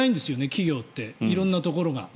企業って、色んなところが。